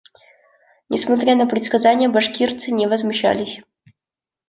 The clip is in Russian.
Несмотря на предсказания, башкирцы не возмущались.